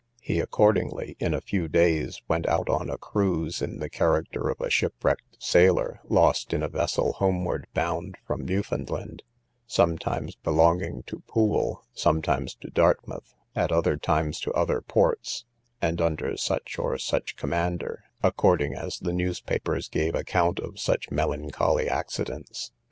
He accordingly, in a few days, went out on a cruise in the character of a shipwrecked sailor, lost in a vessel homeward bound from Newfoundland, sometimes belonging to Pool, sometimes to Dartmouth, at other times to other ports, and under such or such commander, according as the newspapers gave account of such melancholy accidents.